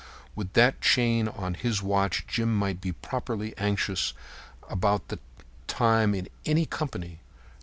With that chain on his watch Jim might be properly anxious about the time in any company.